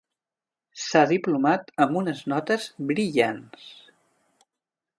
S'ha diplomat amb unes notes brillants.